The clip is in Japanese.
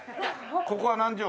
ここは何畳？